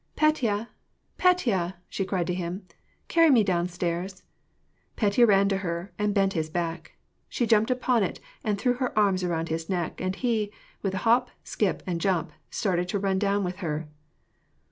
"Petya! Petya!" she cried to him. "Carry me down stairs 1 " Petya ran to her and bent his back. She jumped upon it, threw her arms around his neck, and he, with a hop, skip, and jump, started to iiui down with her.